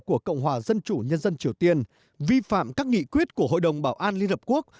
của cộng hòa dân chủ nhân dân triều tiên vi phạm các nghị quyết của hội đồng bảo an liên hợp quốc